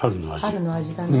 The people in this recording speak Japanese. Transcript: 春の味だね。